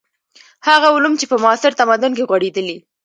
هغه علوم چې په معاصر تمدن کې غوړېدلي.